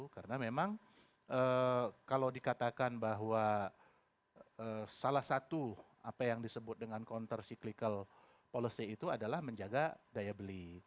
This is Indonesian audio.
karena memang kalau dikatakan bahwa salah satu apa yang disebut dengan counter cyclical policy itu adalah menjaga daya beli